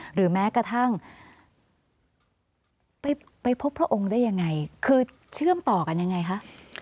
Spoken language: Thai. หรือแม้กระทั่งไปพบพระองค์ได้ยังไงคือเชื่อมต่อกันยังไงคะ